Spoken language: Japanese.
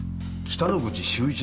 北之口秀一？